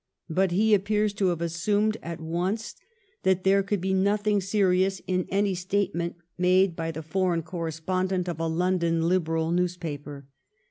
But he appears to have assumed at once that there could be noth ing serious in any statement made by the foreign 328 THE STORY OF GLADSTONE'S LIFE correspondent of a London Liberal newspaper.